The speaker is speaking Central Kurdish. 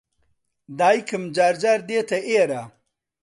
دایکم جار جار دێتە ئێرە.